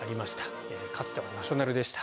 かつてはナショナルでした。